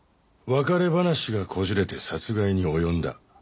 別れ話がこじれて殺害に及んだ。